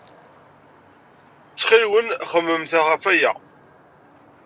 Ttxil-wen, xemmemet ɣef waya.